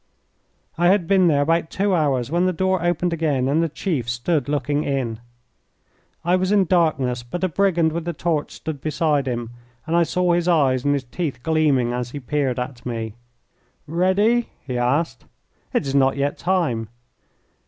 I had been there about two hours when the door opened again, and the chief stood looking in. I was in darkness, but a brigand with a torch stood beside him, and I saw his eyes and his teeth gleaming as he peered at me. "Ready?" he asked. "It is not yet time."